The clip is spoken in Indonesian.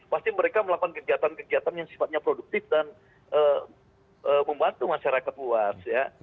pasti mereka melakukan kegiatan kegiatan yang sifatnya produktif dan membantu masyarakat luas ya